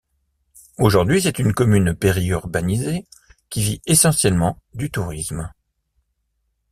Aujourd'hui, c'est une commune péri-urbanisée, qui vit essentiellement du tourisme.